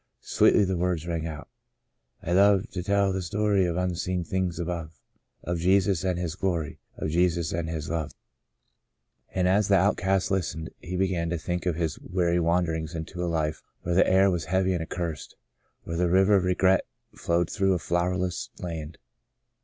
Sweedy the words rang out :" I love to tell the story of unseen things above, Of Jesus and His glory — of Jesus and His love 146 The Blossoming Desert and as the outcast Hstened, he began to think of his weary wanderings into a Hfe where the air was heavy and accursed — where the river of Regret flowed through a flower less land.